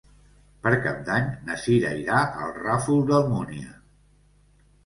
Per Cap d'Any na Cira irà al Ràfol d'Almúnia.